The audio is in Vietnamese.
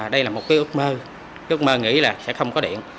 đây là một cái ước mơ ước mơ nghĩ là sẽ không có điện